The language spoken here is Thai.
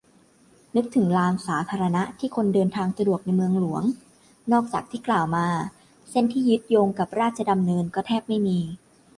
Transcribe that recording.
นึกถึง "ลานสาธารณะ" ที่คนเดินทางสะดวกในเมืองหลวงนอกจากที่กล่าวมาเส้นที่ยึดโยงกับราชดำเนิน ก็แทบไม่มี